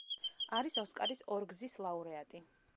არის ოსკარის ორგზის ლაურეატი.